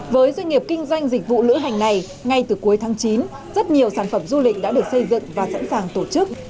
với doanh nghiệp kinh doanh dịch vụ lữ hành này ngay từ cuối tháng chín rất nhiều sản phẩm du lịch đã được xây dựng và sẵn sàng tổ chức